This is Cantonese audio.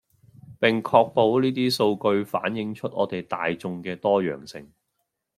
並確保呢啲數據反映出我地大衆既多樣性